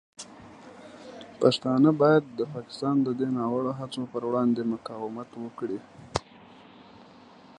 پښتانه باید د پاکستان د دې ناوړه هڅو پر وړاندې مقاومت وکړي.